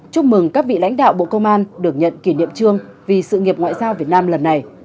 chúc mừng các vị lãnh đạo bộ công an được nhận kỷ niệm trương vì sự nghiệp ngoại giao việt nam lần này